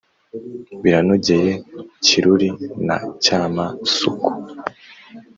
biranogeye kiruri na cyama-suku